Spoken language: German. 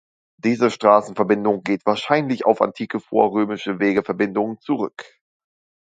Diese Straßenverbindung geht wahrscheinlich auf antike, vorrömische Wegeverbindungen zurück.